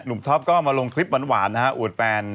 หนุ่มท็อปก็มาลงทริปหวานอู๋นแฟน